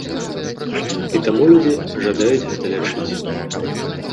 І таму людзі жадаюць гэта лячыць.